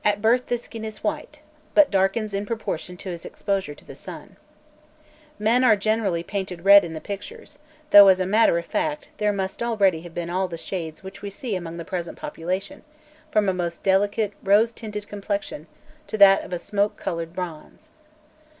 At birth the skin is white, but darkens in proportion to its exposure to the sun. Men are generally painted red in the pictures, though, as a matter of fact, there must already have been all the shades which we see among the present population^ from a most delicate, rose tinted complexion to that of a smoke coloured bronze.